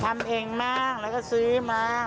ทำเองบ้างแล้วก็ซื้อมา